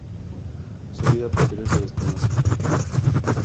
Su vida posterior se desconoce.